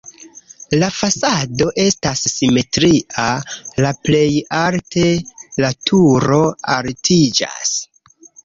La fasado estas simetria, la plej alte la turo altiĝas.